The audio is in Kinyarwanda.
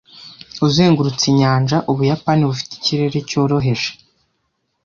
Uzengurutse inyanja, Ubuyapani bufite ikirere cyoroheje.